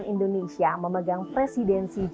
indonesia benar yang calendric